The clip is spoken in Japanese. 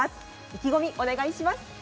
意気込み、お願いします。